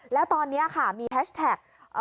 แล้วตอนนี้ค่ะมีแฮชแท็ก